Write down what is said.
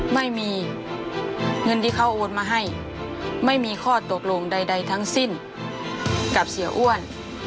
ไม่มีเงินที่เขาโอนมาให้ไม่มีข้อตกลงใดทั้งสิ้นกับเสียอ้วน